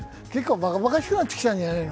ばかばかしくなってきたんじゃねぇの。